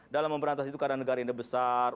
dalam memberantas itu karena negara ini besar